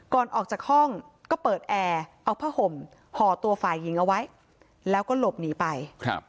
ก่อนออกจากห้องก็เปิดแอร์เอาผ้าห่มห่อตัวฝ่ายหญิงเอาไว้แล้วก็หลบหนีไป